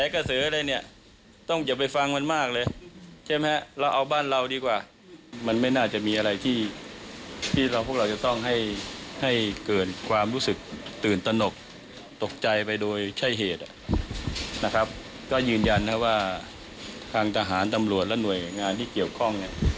ก็ยืนยันว่าทางทหารตำรวจและหน่วยงานที่เกี่ยวข้อง